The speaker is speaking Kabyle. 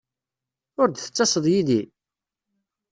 Ur d-tettaseḍ yid-i?